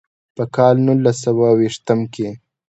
پۀ کال نولس سوه ويشتم کښې